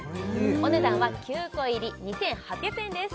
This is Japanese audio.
お値段は９個入り２８００円です